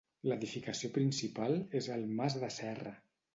L'edificació principal és el Mas de Serra.